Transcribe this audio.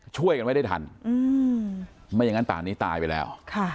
ช่วยกันไว้ได้ทันไม่อย่างนั้นป่านนี้ตายไปแล้ว